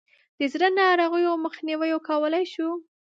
د زړه ناروغیو مخنیوی کولای شو.